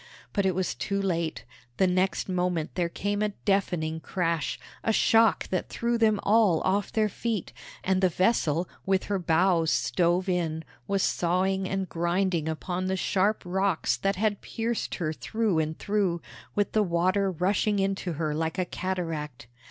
But it was too late. The next moment there came a deafening crash, a shock that threw them all off their feet, and the vessel, with her bows stove in, was sawing and grinding upon the sharp rocks that had pierced her through and through, with the water rushing into her like a cataract.